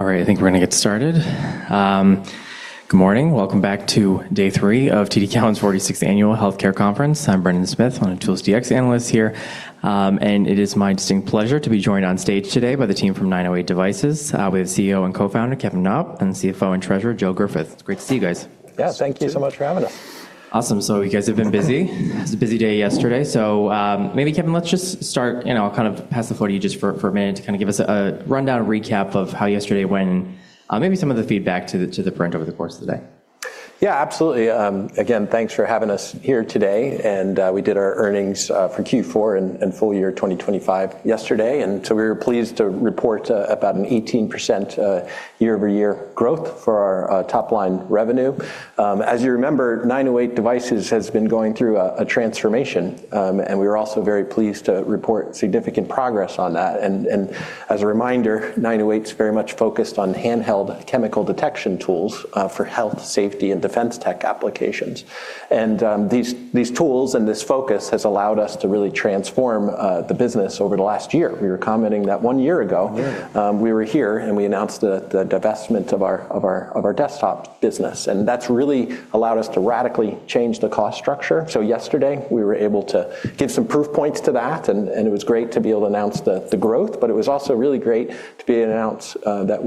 All right. I think we're gonna get started. Good morning. Welcome back to day 3 of TD Cowen's 46th Annual Healthcare Conference. I'm Brendan Smith. I'm a Tools DX analyst here. It is my distinct pleasure to be joined on stage today by the team from 908 Devices with CEO and co-founder, Kevin Knopp, and CFO and Treasurer, Joe Griffith. It's great to see you guys. Yeah. Thank you so much for having us. Awesome. You guys have been busy. It was a busy day yesterday. Maybe Kevin, let's just start, you know, I'll kind of pass the floor to you just for a minute to kind of give us a rundown recap of how yesterday went, maybe some of the feedback to the print over the course of the day. Yeah, absolutely. Again, thanks for having us here today. We did our earnings for Q4 and full year 2025 yesterday. We were pleased to report about an 18% year-over-year growth for our top line revenue. As you remember, 908 Devices has been going through a transformation, and we were also very pleased to report significant progress on that. As a reminder, 908's very much focused on handheld chemical detection tools for health, safety, and defense tech applications. These tools and this focus has allowed us to really transform the business over the last year. We were commenting that one year ago. Yeah ...we were here, and we announced the divestment of our desktop business. That's really allowed us to radically change the cost structure. Yesterday, we were able to give some proof points to that, and it was great to be able to announce the growth, but it was also really great to be able to announce that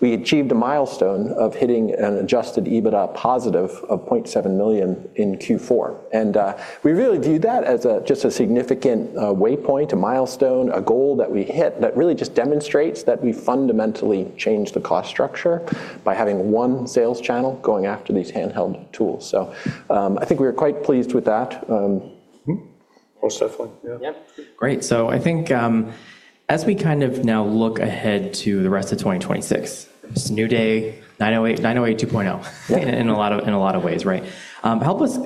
we achieved a milestone of hitting an adjusted EBITDA positive of $0.7 million in Q4. We really view that as a just a significant waypoint, a milestone, a goal that we hit that really just demonstrates that we fundamentally changed the cost structure by having one sales channel going after these handheld tools. I think we are quite pleased with that. Mm-hmm. Most definitely. Yeah. Yeah. Great. I think, as we kind of now look ahead to the rest of 2026, it's a new day, 908 2.0. Yeah ...in a lot of ways, right? Help us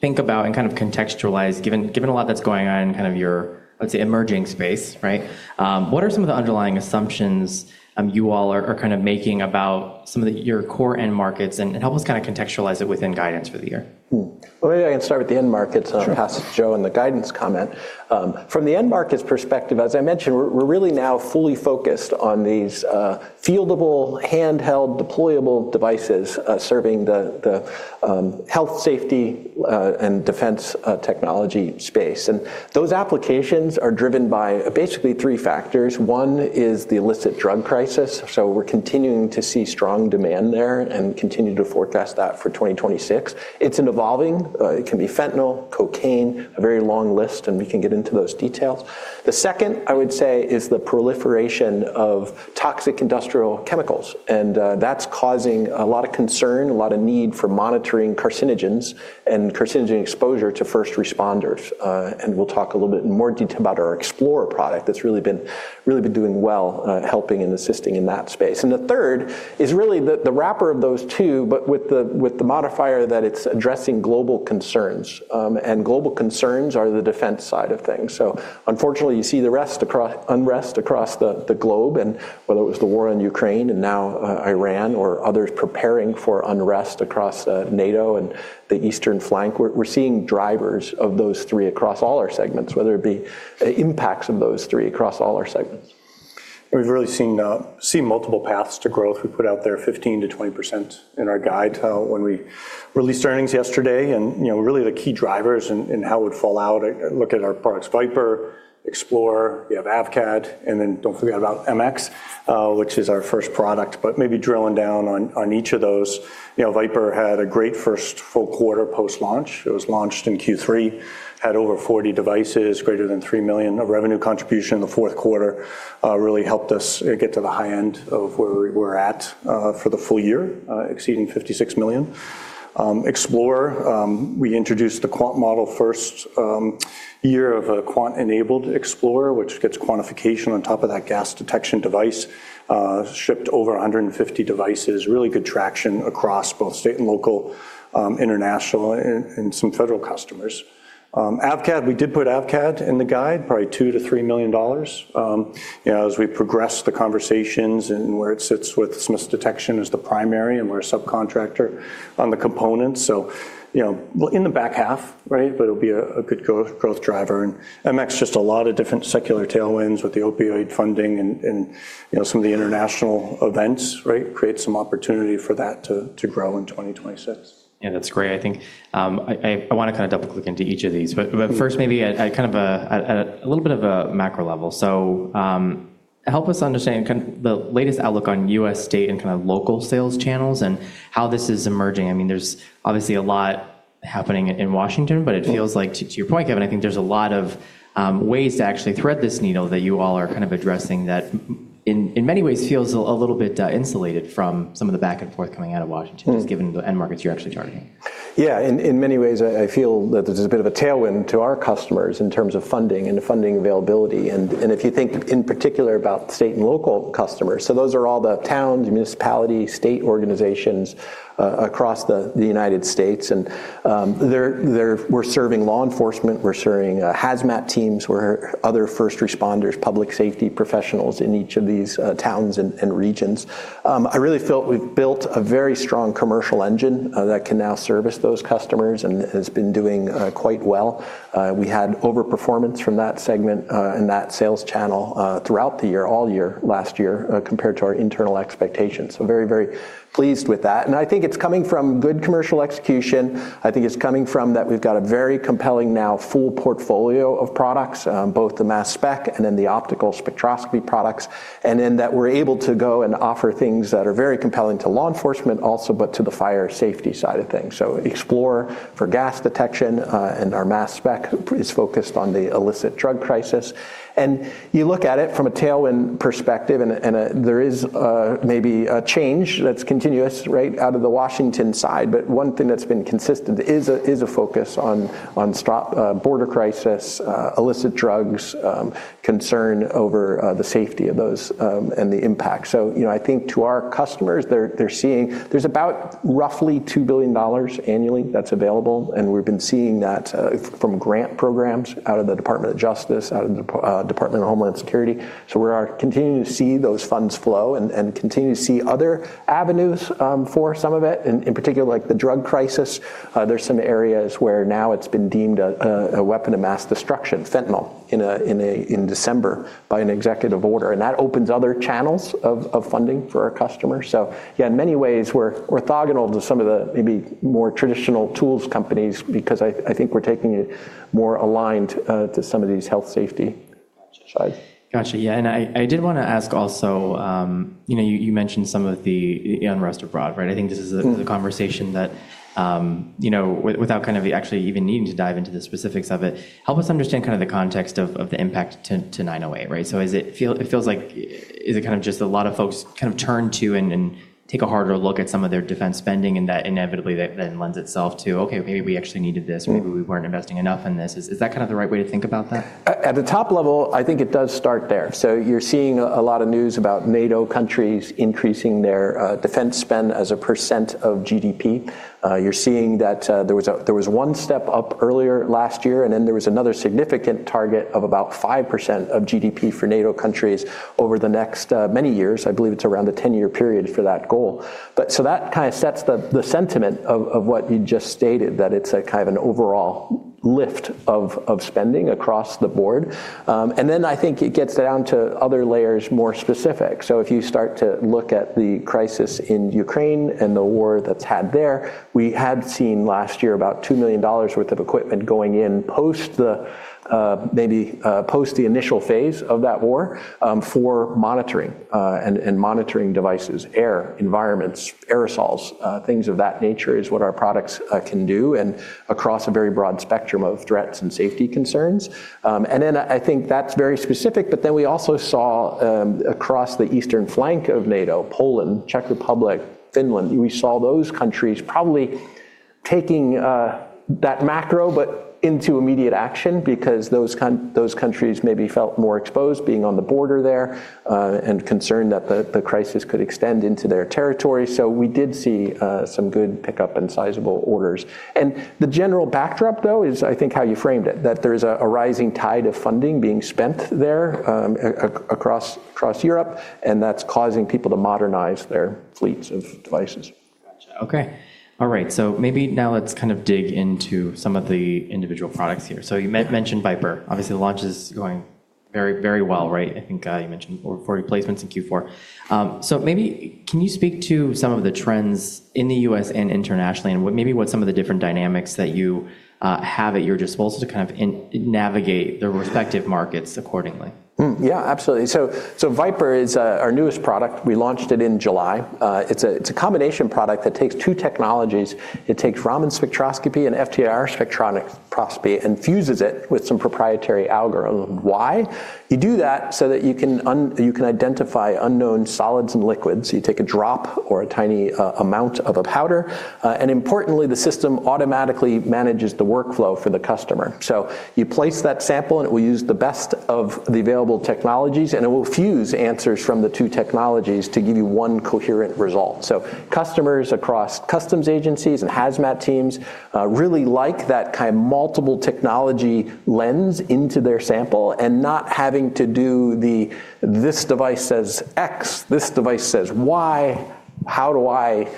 think about and kind of contextualize, given a lot that's going on in kind of your, let's say, emerging space, right? What are some of the underlying assumptions, you all are kind of making about some of your core end markets? Help us kinda contextualize it within guidance for the year. Well, maybe I can start with the end markets. Sure ...and pass it to Joe in the guidance comment. From the end markets perspective, as I mentioned, we're really now fully focused on these fieldable, handheld, deployable devices, serving the health, safety, and defense technology space. Those applications are driven by basically 3 factors. One is the illicit drug crisis. We're continuing to see strong demand there and continue to forecast that for 2026. It's an evolving, it can be fentanyl, cocaine, a very long list, and we can get into those details. The second, I would say, is the proliferation of toxic industrial chemicals, that's causing a lot of concern, a lot of need for monitoring carcinogens and carcinogen exposure to first responders. We'll talk a little bit in more detail about our XplorIR product that's really been doing well, helping and assisting in that space. The third is really the wrapper of those 2, but with the modifier that it's addressing global concerns. Global concerns are the defense side of things. Unfortunately, you see unrest across the globe, and whether it was the war in Ukraine and now Iran or others preparing for unrest across NATO and the eastern flank. We're seeing drivers of those 3 across all our segments, whether it be impacts of those 3 across all our segments. We've really seen multiple paths to growth. We put out there 15% to 20% in our guide when we released earnings yesterday. You know, really the key drivers and how it would fall out, look at our products VipIR, XplorIR, you have AVCAD, and then don't forget about MX908, which is our first product. Maybe drilling down on each of those, you know, VipIR had a great first full quarter post-launch. It was launched in Q3, had over 40 devices, greater than $3 million of revenue contribution in the Q4, really helped us get to the high end of where we were at for the full year, exceeding $56 million. XplorIR, we introduced a quant model first year of a quant-enabled XplorIR, which gets quantification on top of that gas detection device, shipped over 150 devices, really good traction across both state and local, international and some federal customers. AVCAD, we did put AVCAD in the guide, probably $2 million-$3 million. You know, as we progress the conversations and where it sits with Smiths Detection as the primary and we're a subcontractor on the components. You know, we'll in the back half, right? It'll be a good growth driver. MX908, just a lot of different secular tailwinds with the opioid funding and, you know, some of the international events, right? Create some opportunity for that to grow in 2026. Yeah, that's great. I think, I want to kind of double-click into each of these. First maybe at kind of a little bit of a macro level. Help us understand the latest outlook on U.S. state and kind of local sales channels and how this is emerging. I mean, there's obviously a lot happening in Washington, but it feels like, to your point, Kevin, I think there's a lot of ways to actually thread this needle that you all are kind of addressing that in many ways feels a little bit insulated from some of the back and forth coming out of Washington. Hmm just given the end markets you're actually targeting. In many ways, I feel that this is a bit of a tailwind to our customers in terms of funding and funding availability, and if you think in particular about state and local customers. Those are all the towns, municipalities, state organizations across the United States, and we're serving law enforcement, we're serving HAZMAT teams, other first responders, public safety professionals in each of these towns and regions. I really felt we've built a very strong commercial engine that can now service those customers and has been doing quite well. We had overperformance from that segment and that sales channel throughout the year, all year last year, compared to our internal expectations. Very pleased with that. I think it's coming from good commercial execution. I think it's coming from that we've got a very compelling now full portfolio of products, both the mass spectrometry and then the optical spectroscopy products, and then that we're able to go and offer things that are very compelling to law enforcement also, but to the fire safety side of things. XplorIR for gas detection, and our mass spectrometry is focused on the illicit drug crisis. You look at it from a tailwind perspective and there is maybe a change that's continuous right out of the Washington side. One thing that's been consistent is a focus on border crisis, illicit drugs, concern over the safety of those, and the impact. You know, I think to our customers, they're seeing there's about roughly $2 billion annually that's available, and we've been seeing that from grant programs out of the Department of Justice, out of the Department of Homeland Security. We are continuing to see those funds flow and continue to see other avenues for some of it, in particular like the drug crisis. There's some areas where now it's been deemed a Weapon of Mass Destruction, fentanyl, in December by an Executive Order, and that opens other channels of funding for our customers. Yeah, in many ways we're orthogonal to some of the maybe more traditional tools companies because I think we're taking it more aligned to some of these health safety sides. Gotcha. Yeah. I did wanna ask also, you know, you mentioned some of the unrest abroad, right? I think this is a conversation that, you know, without kind of actually even needing to dive into the specifics of it, help us understand kind of the context of the impact to 908, right? It feels like is it kind of just a lot of folks kind of turn to and take a harder look at some of their defense spending and that inevitably then lends itself to, "Okay, maybe we actually needed this," or, "Maybe we weren't investing enough in this." Is that kind of the right way to think about that? At the top level, I think it does start there. You're seeing a lot of news about NATO countries increasing their defense spend as a % of GDP. You're seeing that there was one step up earlier last year, and then there was another significant target of about 5% of GDP for NATO countries over the next many years. I believe it's around a 10-year period for that goal. That kind of sets the sentiment of what you just stated, that it's a kind of an overall lift of spending across the board. I think it gets down to other layers more specific. If you start to look at the crisis in Ukraine and the war that's had there, we had seen last year about $2 million worth of equipment going in post the, maybe, post the initial phase of that war, for monitoring, and monitoring devices, air, environments, aerosols, things of that nature is what our products can do and across a very broad spectrum of threats and safety concerns. I think that's very specific. We also saw across the eastern flank of NATO, Poland, Czech Republic, Finland, we saw those countries probably taking that macro, but into immediate action because those countries maybe felt more exposed being on the border there, and concerned that the crisis could extend into their territory. We did see some good pickup and sizable orders. The general backdrop, though, is I think how you framed it, that there's a rising tide of funding being spent there, across Europe, and that's causing people to modernize their fleets of devices. Gotcha. Okay. All right. Maybe now let's kind of dig into some of the individual products here. So you mentioned VipIR. Obviously, the launch is going very, very well, right? I think, you mentioned over 40 placements in Q4. Maybe can you speak to some of the trends in the U.S. and internationally and what maybe what some of the different dynamics that you have at your disposal to kind of navigate the respective markets accordingly? Yeah, absolutely. VipIR is our newest product. We launched it in July. It's a combination product that takes 2 technologies. It takes Raman spectroscopy and FTIR spectroscopy and fuses it with some proprietary algorithm. Why? You do that so that you can identify unknown solids and liquids. You take a drop or a tiny amount of a powder. Importantly, the system automatically manages the workflow for the customer. You place that sample, it will use the best of the available technologies, and it will fuse answers from the 2 technologies to give you one coherent result. Customers across customs agencies and HAZMAT teams really like that kind of multiple technology lens into their sample and not having to do the, this device says X, this device says Y, how do I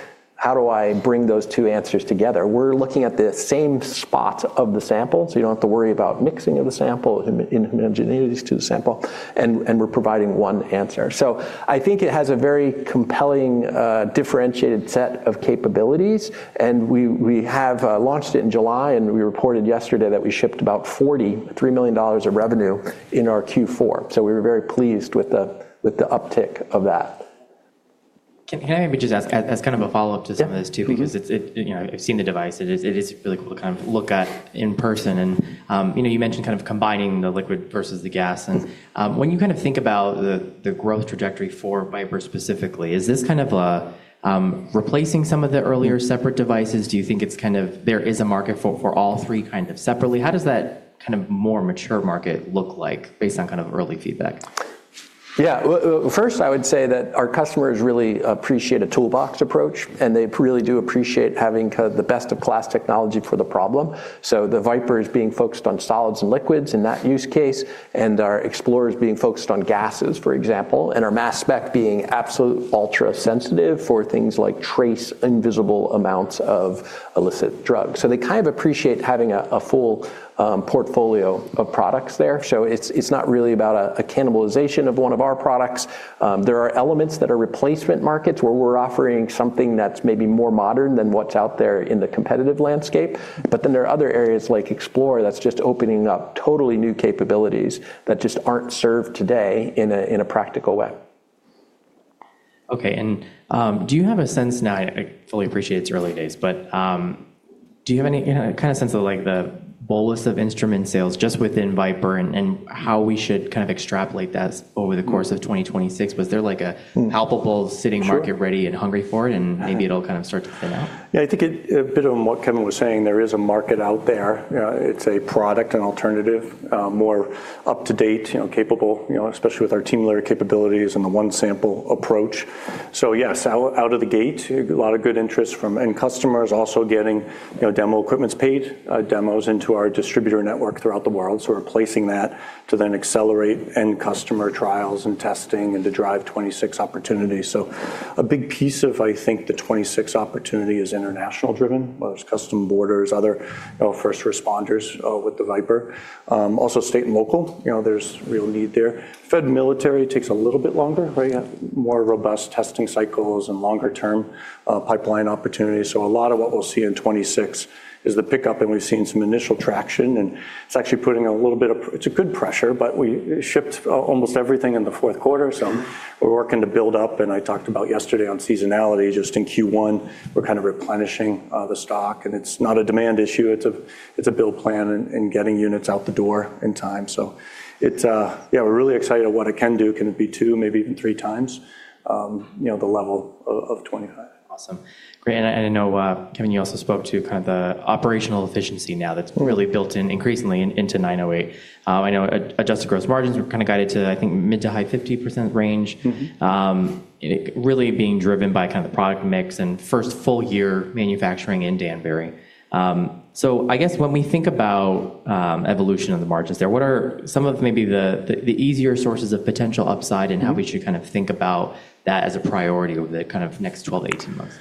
bring those 2 answers together? We're looking at the same spot of the sample, so you don't have to worry about mixing of the sample, homogeneities to the sample, and we're providing one answer. I think it has a very compelling, differentiated set of capabilities. We have launched it in July, and we reported yesterday that we shipped about $43 million of revenue in our Q4. We were very pleased with the uptick of that. Can I maybe just ask as kind of a follow-up to some of this too? Yeah. Mm-hmm. Because it's, you know, I've seen the device. It is really cool to kind of look at in person and, you know, you mentioned kind of combining the liquid versus the gas. When you kind of think about the growth trajectory for VipIR specifically, is this kind of replacing some of the earlier separate devices? Do you think it's kind of there is a market for all 3 kind of separately? How does that kind of more mature market look like based on kind of early feedback? Well, first I would say that our customers really appreciate a toolbox approach, and they really do appreciate having kind of the best of class technology for the problem. The VipIR is being focused on solids and liquids in that use case, and our XplorIR is being focused on gases, for example, and our mass spectrometry being absolute ultra sensitive for things like trace invisible amounts of illicit drugs. They kind of appreciate having a full portfolio of products there. It's not really about a cannibalization of one of our products. There are elements that are replacement markets where we're offering something that's maybe more modern than what's out there in the competitive landscape. There are other areas like XplorIR that's just opening up totally new capabilities that just aren't served today in a practical way. Okay. Now, I fully appreciate it's early days, but do you have any kind of sense of like the bolus of instrument sales just within VipIR and how we should kind of extrapolate that over the course of 2026? Was there like a palpable sitting market ready and hungry for it, and maybe it'll kind of start to pan out? I think a bit on what Kevin was saying, there is a market out there. It's a product, an alternative, more up-to-date, you know, capable, you know, especially with TeamLeader capabilities and the one sample approach. Yes, out of the gate, a lot of good interest from end customers also getting, you know, demo equipment, paid demos into our distributor network throughout the world. We're placing that to then accelerate end customer trials and testing and to drive 2026 opportunities. A big piece of, I think, the 2026 opportunity is international driven, whether it's custom borders, other, you know, first responders, with the VipIR. Also state and local, you know, there's real need there. Fed and military takes a little bit longer, right? More robust testing cycles and longer term pipeline opportunities. A lot of what we'll see in 2026 is the pickup, and we've seen some initial traction, and it's actually putting a little bit of. It's a good pressure, but we shipped almost everything in the Q4. We're working to build up, and I talked about yesterday on seasonality, just in Q1, we're kind of replenishing the stock and it's not a demand issue. It's a, it's a build plan and getting units out the door in time. It's. Yeah, we're really excited at what it can do. Can it be 2, maybe even 3 times, you know, the level of 25. Awesome. Great. I know, Kevin, you also spoke to kind of the operational efficiency now that's really built in increasingly in, into 908 Devices. I know adjusted gross margins were kind of guided to, I think, mid to high 50% range... Mm-hmm... really being driven by kind of the product mix and first full year manufacturing in Danbury. I guess when we think about evolution of the margins there, what are some of maybe the easier sources of potential upside and how we should kind of think about that as a priority over the kind of next 12 to 18 months?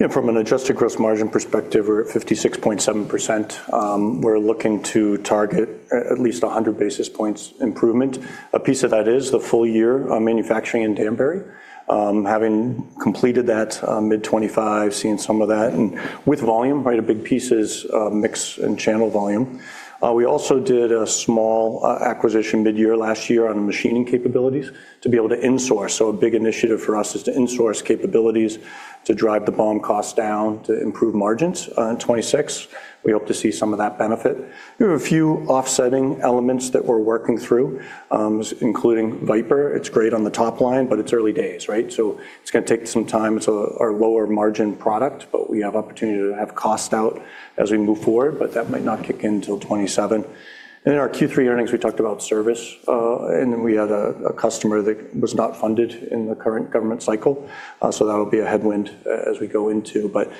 Yeah. From an adjusted gross margin perspective, we're at 56.7%. We're looking to target at least 100 basis points improvement. A piece of that is the full year manufacturing in Danbury. Having completed that, mid 2025, seeing some of that and with volume, right? A big piece is mix and channel volume. We also did a small acquisition midyear last year on machining capabilities to be able to insource. A big initiative for us is to insource capabilities to drive the BOM cost down to improve margins. In 2026, we hope to see some of that benefit. We have a few offsetting elements that we're working through, including VipIR. It's great on the top line, but it's early days, right? It's gonna take some time. It's our lower margin product, but we have opportunity to have cost out as we move forward, but that might not kick in till 2027. In our Q3 earnings, we talked about service, and we had a customer that was not funded in the current government cycle. That'll be a headwind as we go into, but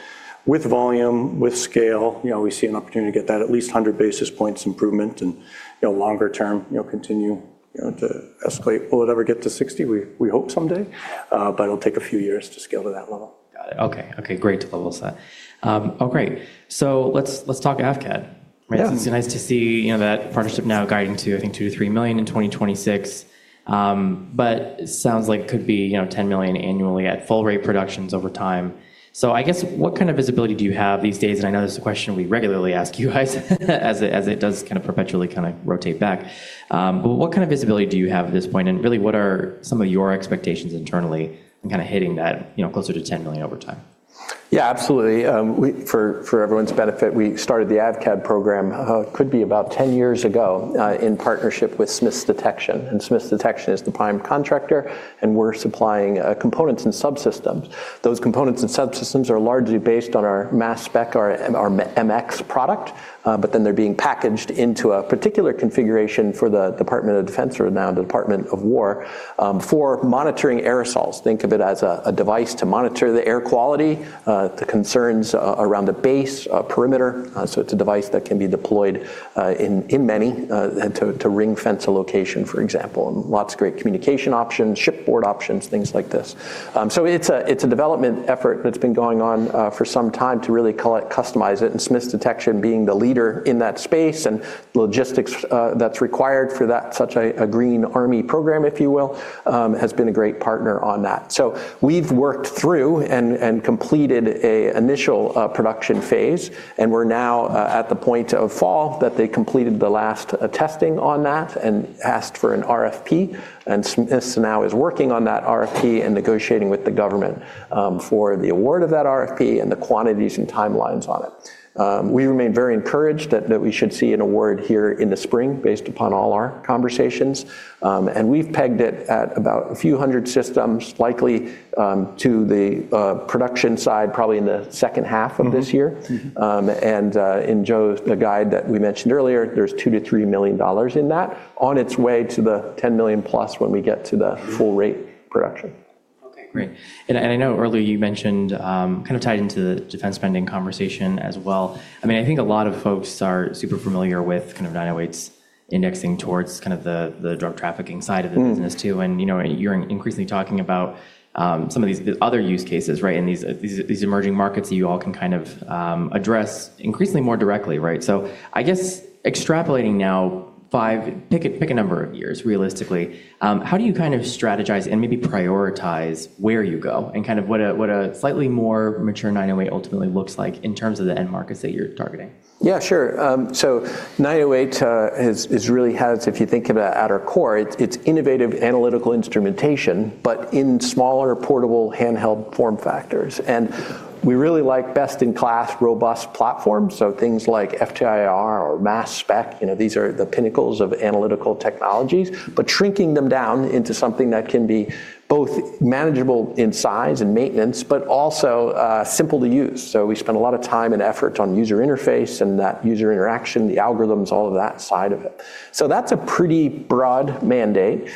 with volume, with scale, you know, we see an opportunity to get that at least 100 basis points improvement and, you know, longer term, you know, continue, you know, to escalate. Will it ever get to 60? We hope someday, but it'll take a few years to scale to that level. Got it. Okay. Okay, great to level set. oh, great. let's talk AVCAD, right? Yeah. It's nice to see, you know, that partnership now guiding to, I think, $2 million-$3 million in 2026. Sounds like could be, you know, $10 million annually at full rate productions over time. I guess what kind of visibility do you have these days? I know this is a question we regularly ask you guys as it does kind of perpetually kind of rotate back. What kind of visibility do you have at this point, and really what are some of your expectations internally in kind of hitting that, you know, closer to $10 million over time? Absolutely. For everyone's benefit, we started the AVCAD program, could be about 10 years ago, in partnership with Smiths Detection. Smiths Detection is the prime contractor, and we're supplying components and subsystems. Those components and subsystems are largely based on our mass spectrometry, our MX908 product. They're being packaged into a particular configuration for the Department of Defense, or now the Department of War, for monitoring aerosols. Think of it as a device to monitor the air quality, the concerns around the base perimeter. It's a device that can be deployed in many, and to ring-fence a location, for example, and lots of great communication options, shipboard options, things like this. It's a, it's a development effort that's been going on for some time to really co-customize it, and Smiths Detection being the leader in that space and logistics that's required for that, such a green army program, if you will, has been a great partner on that. We've worked through and completed a initial production phase, and we're now at the point of fall that they completed the last testing on that and asked for an RFP. Smiths now is working on that RFP and negotiating with the government for the award of that RFP and the quantities and timelines on it. We remain very encouraged that we should see an award here in the spring based upon all our conversations. We've pegged it at about a few hundred systems likely, to the production side probably in the H2 of this year. Mm-hmm. Mm-hmm. In Joe's, the guide that we mentioned earlier, there's $2 million-$3 million in that on its way to the $10 million+ when we get to the full rate production. Great. I, and I know earlier you mentioned, kind of tied into the defense spending conversation as well. I mean, I think a lot of folks are super familiar with kind of 908's indexing towards kind of the drug trafficking side of the business too. Mm. You know, you're increasingly talking about some of these other use cases, right? These emerging markets you all can kind of address increasingly more directly, right? I guess extrapolating now 5... Pick a number of years realistically, how do you kind of strategize and maybe prioritize where you go and what a slightly more mature 908 ultimately looks like in terms of the end markets that you're targeting? Yeah, sure. 908 is really has if you think about at our core, it's innovative analytical instrumentation, but in smaller, portable, handheld form factors. We really like best-in-class robust platforms, so things like FTIR or mass spec, you know, these are the pinnacles of analytical technologies, but shrinking them down into something that can be both manageable in size and maintenance, but also simple to use. We spend a lot of time and effort on user interface and that user interaction, the algorithms, all of that side of it. That's a pretty broad mandate.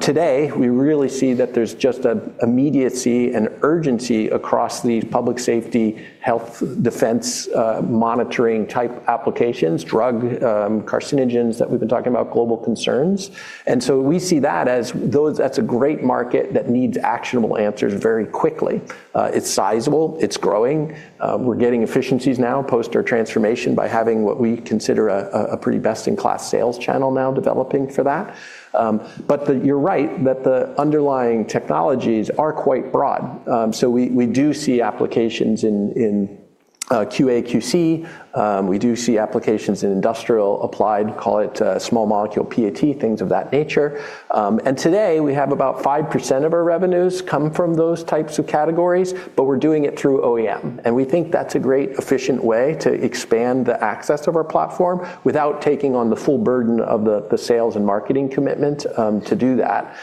Today we really see that there's just an immediacy and urgency across these public safety, health, defense, monitoring type applications, drug, carcinogens that we've been talking about, global concerns. We see that as that's a great market that needs actionable answers very quickly. It's sizable. It's growing. We're getting efficiencies now post our transformation by having what we consider a pretty best-in-class sales channel now developing for that. You're right that the underlying technologies are quite broad. We do see applications in QA/QC. We do see applications in industrial applied, call it, small molecule PAT, things of that nature. Today we have about 5% of our revenues come from those types of categories, but we're doing it through OEM, and we think that's a great efficient way to expand the access of our platform without taking on the full burden of the sales and marketing commitment to do that.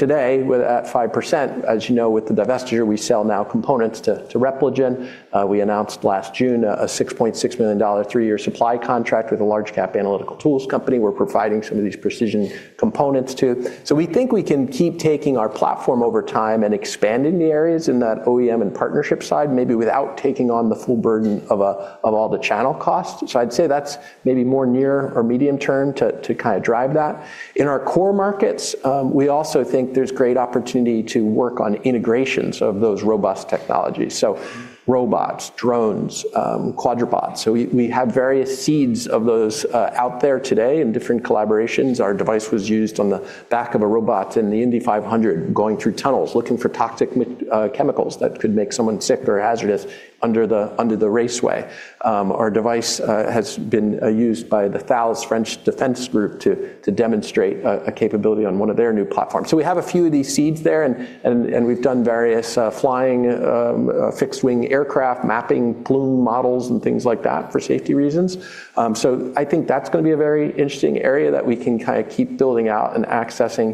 Today with, at 5%, as you know with the divestiture, we sell now components to Repligen. We announced last June a $6.6 million 3-year supply contract with a large cap analytical tools company we're providing some of these precision components to. We think we can keep taking our platform over time and expanding the areas in that OEM and partnership side, maybe without taking on the full burden of all the channel costs. I'd say that's maybe more near or medium term to kind of drive that. In our core markets, we also think there's great opportunity to work on integrations of those robust technologies. Robots, drones, quadrupods. We have various seeds of those out there today in different collaborations. Our device was used on the back of a robot in the Indy 500 going through tunnels, looking for toxic chemicals that could make someone sick or hazardous under the raceway. Our device has been used by the Thales French Defense Group to demonstrate a capability on one of their new platforms. We have a few of these seeds there and we've done various flying fixed-wing aircraft mapping plume models and things like that for safety reasons. I think that's gonna be a very interesting area that we can kinda keep building out and accessing.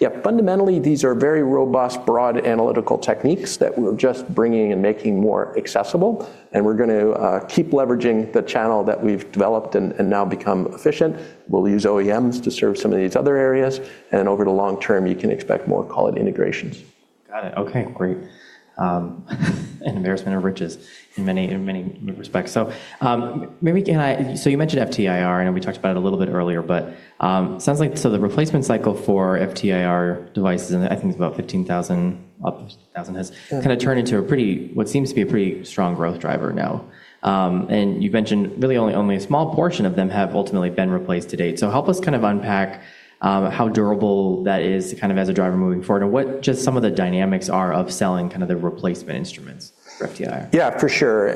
Yeah, fundamentally, these are very robust, broad analytical techniques that we're just bringing and making more accessible, and we're gonna keep leveraging the channel that we've developed and now become efficient. We'll use OEMs to serve some of these other areas, and over the long term, you can expect more call it integrations. Got it. Okay, great. An embarrassment of riches in many, in many respects. Maybe can I. You mentioned FTIR, I know we talked about it a little bit earlier, but sounds like the replacement cycle for FTIR devices, and I think it's about 15,000. Yeah. Kinda turned into a pretty, what seems to be a pretty strong growth driver now. You've mentioned really only a small portion of them have ultimately been replaced to date. Help us kind of unpack, how durable that is kind of as a driver moving forward and what just some of the dynamics are of selling kind of the replacement instruments for FTIR? Yeah, for sure.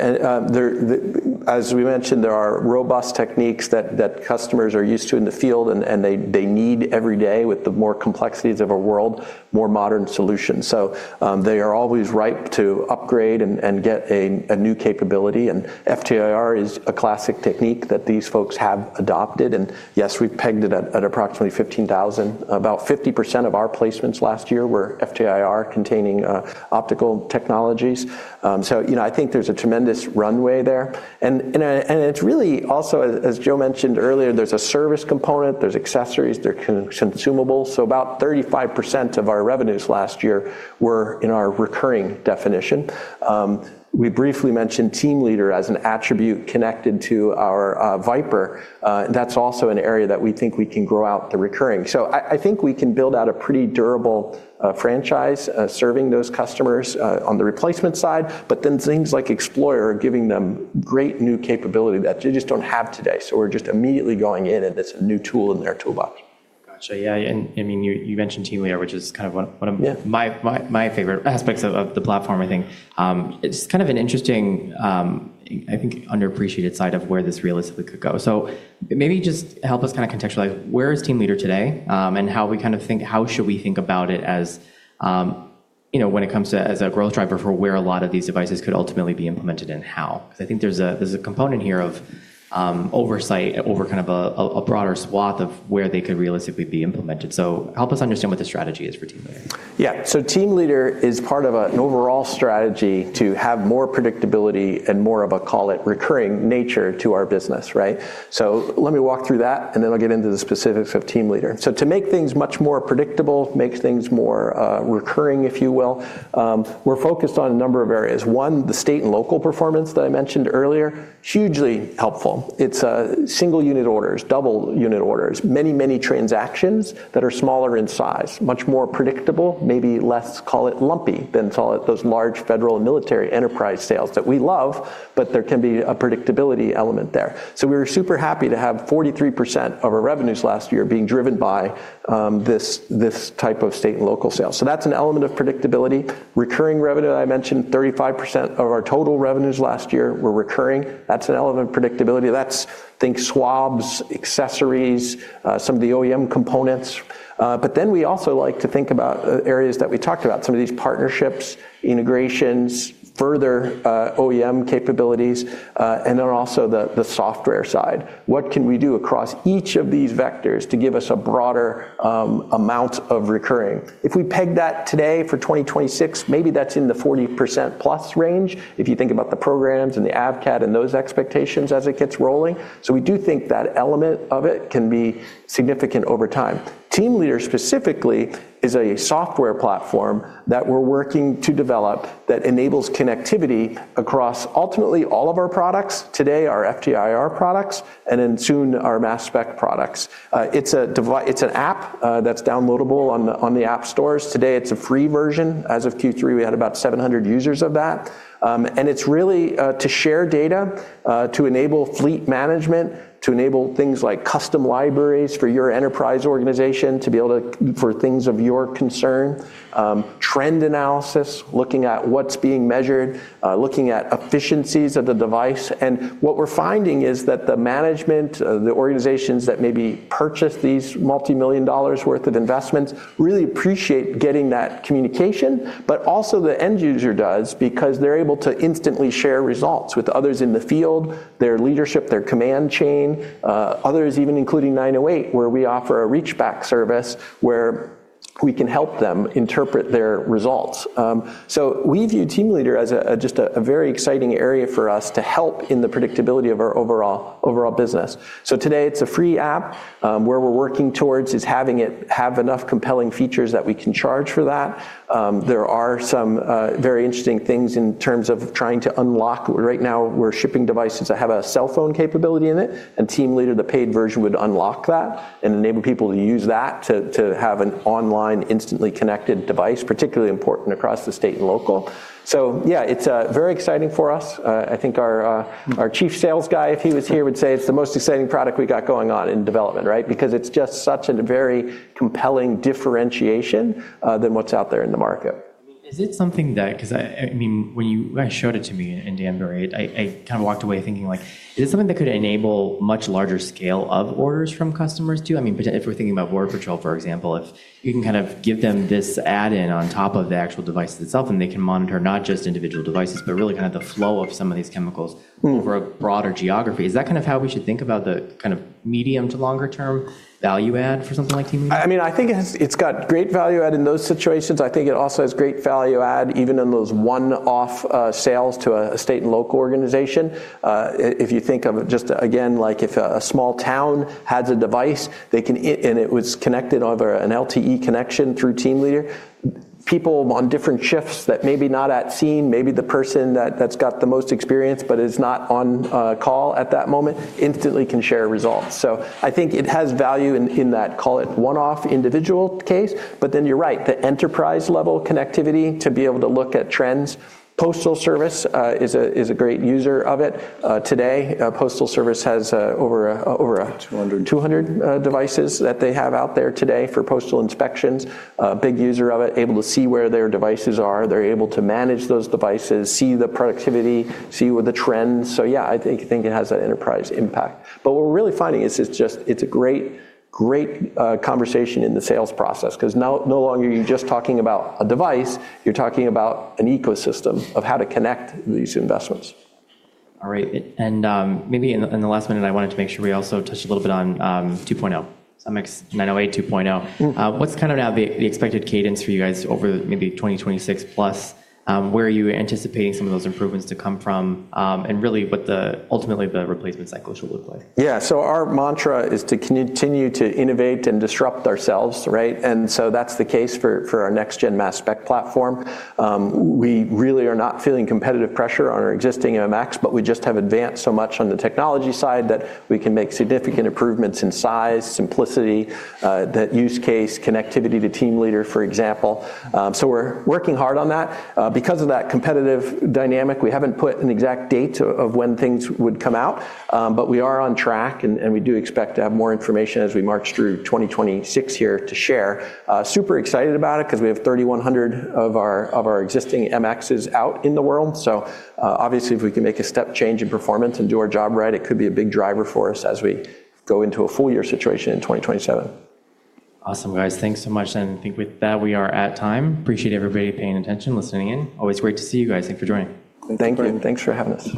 As we mentioned, there are robust techniques that customers are used to in the field and they need every day with the more complexities of our world, more modern solutions. They are always ripe to upgrade and get a new capability. FTIR is a classic technique that these folks have adopted. Yes, we've pegged it at approximately $15,000. About 50% of our placements last year were FTIR containing optical technologies. You know, I think there's a tremendous runway there. It's really also as Joe mentioned earlier, there's a service component, there's accessories, there's consumables. About 35% of our revenues last year were in our recurring definition. We briefly TeamLeader as an attribute connected to our VipIR. That's also an area that we think we can grow out the recurring. I think we can build out a pretty durable franchise serving those customers on the replacement side, but then things like XplorIR are giving them great new capability that they just don't have today. We're just immediately going in, and it's a new tool in their toolbox. Gotcha. Yeah, I mean, you TeamLeader, which is kind of one of. Yeah. my favorite aspects of the platform, I think. It's kind of an interesting, I think underappreciated side of where this realistically could go. Maybe just help us kinda contextualize where TeamLeader today, and how should we think about it as You know, when it comes to as a growth driver for where a lot of these devices could ultimately be implemented and how? 'Cause I think there's a component here of oversight over kind of a broader swath of where they could realistically be implemented. Help us understand what the strategy is for TeamLeader. TeamLeader is part of an overall strategy to have more predictability and more of a, call it, recurring nature to our business, right? Let me walk through that, and then I'll get into the specifics TeamLeader. to make things much more predictable, make things more recurring, if you will, we're focused on a number of areas. One, the state and local performance that I mentioned earlier, hugely helpful. It's single unit orders, double unit orders, many, many transactions that are smaller in size, much more predictable, maybe less, call it, lumpy than, call it, those large federal and military enterprise sales that we love, but there can be a predictability element there. We were super happy to have 43% of our revenues last year being driven by this type of state and local sales. That's an element of predictability. Recurring revenue, I mentioned 35% of our total revenues last year were recurring. That's an element of predictability. That's, think swabs, accessories, some of the OEM components. We also like to think about areas that we talked about, some of these partnerships, integrations, further OEM capabilities, and then also the software side. What can we do across each of these vectors to give us a broader amount of recurring? If we peg that today for 2026, maybe that's in the 40%+ range, if you think about the programs and the AVCAD and those expectations as it gets rolling. We do think that element of it can be significant over time. TeamLeader specifically is a software platform that we're working to develop that enables connectivity across ultimately all of our products, today our FTIR products, and then soon our mass spec products. It's an app that's downloadable on the app stores. Today, it's a free version. As of Q3, we had about 700 users of that. It's really to share data, to enable fleet management, to enable things like custom libraries for your enterprise organization for things of your concern, trend analysis, looking at what's being measured, looking at efficiencies of the device. What we're finding is that the management of the organizations that maybe purchase these multi-million dollars worth of investments really appreciate getting that communication, but also the end user does because they're able to instantly share results with others in the field, their leadership, their command chain, others even including 908, where we offer a reach back service where we can help them interpret their results. We TeamLeader as a, just a very exciting area for us to help in the predictability of our overall business. Today it's a free app. Where we're working towards is having it have enough compelling features that we can charge for that. There are some very interesting things in terms of trying to unlock. Right now we're shipping devices that have a cell phone capability in TeamLeader, the paid version, would unlock that and enable people to use that to have an online, instantly connected device, particularly important across the state and local. Yeah, it's very exciting for us. I think our chief sales guy, if he was here, would say it's the most exciting product we got going on in development, right? Because it's just such a very compelling differentiation than what's out there in the market. I mean, when you showed it to me in January, I kind of walked away thinking like, is this something that could enable much larger scale of orders from customers too? I mean, if we're thinking about Border Patrol, for example, if you can kind of give them this add-in on top of the actual device itself, and they can monitor not just individual devices, but really kind of the flow of some of these chemicals. Mm. for a broader geography. Is that kind of how we should think about the kind of medium to longer term value add for something like TeamLeader? I mean, I think it's got great value add in those situations. I think it also has great value add even in those one-off sales to a state and local organization. If you think of just, again, like if a small town has a device, they can and it was connected over an LTE connection TeamLeader, people on different shifts that may be not at scene, may be the person that's got the most experience but is not on call at that moment, instantly can share results. I think it has value in that, call it, one-off individual case. You're right, the enterprise level connectivity to be able to look at trends. Postal Service is a great user of it. Today, Postal Service has over. 200. 200 devices that they have out there today for postal inspections. A big user of it, able to see where their devices are. They're able to manage those devices, see the productivity, see where the trends. Yeah, I think it has that enterprise impact. What we're really finding is it's just, it's a great conversation in the sales process, 'cause now no longer are you just talking about a device, you're talking about an ecosystem of how to connect these investments. All right. Maybe in the last minute, I wanted to make sure we also touch a little bit on 2.0. MX908 2.0. Mm. What's kind of now the expected cadence for you guys over maybe 2026 plus? Where are you anticipating some of those improvements to come from? Really ultimately the replacement cycle should look like. Yeah. Our mantra is to continue to innovate and disrupt ourselves, right? That's the case for our next gen mass spec platform. We really are not feeling competitive pressure on our existing MX, we just have advanced so much on the technology side that we can make significant improvements in size, simplicity, that use case connectivity to TeamLeader, for example. We're working hard on that. Because of that competitive dynamic, we haven't put an exact date of when things would come out. We are on track and we do expect to have more information as we march through 2026 here to share. Super excited about it because we have 3,100 of our, of our existing MXs out in the world. Obviously, if we can make a step change in performance and do our job right, it could be a big driver for us as we go into a full year situation in 2027. Awesome, guys. Thanks so much. I think with that, we are at time. Appreciate everybody paying attention, listening in. Always great to see you guys. Thanks for joining. Thank you. Thanks for having us.